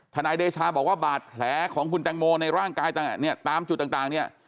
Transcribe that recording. ทนายเดชาบอกว่าบาดแผลของคุณตังโมในร่างกายตามจุดต่าง